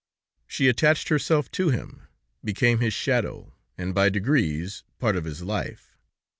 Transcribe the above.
She attached herself to him, became his shadow, and by degrees, part of his life.